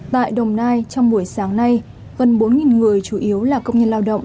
tại đồng nai trong buổi sáng nay gần bốn người chủ yếu là công nhân lao động